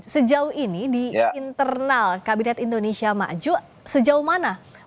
sejauh ini di internal kabinet indonesia maju sejauh mana